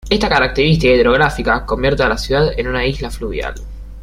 Está característica hidrográfica convierte a la ciudad en una "isla fluvial".